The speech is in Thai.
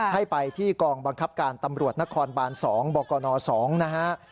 ให้ไปที่กองบังคับการตำรวจนครบาน๒บกน๒นะฮะ